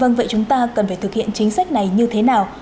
vâng vậy chúng ta cần phải thực hiện chính sách này như thế nào